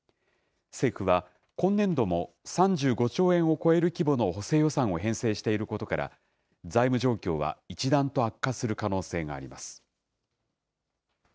政府は、今年度も３５兆円を超える規模の補正予算を編成していることから、財務状況は一段と悪化する可能性があります。